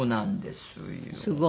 すごい！